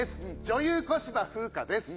女優小芝風花です。